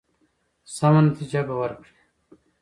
سمه نتیجه به ورکړي.